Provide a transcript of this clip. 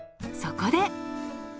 そこで。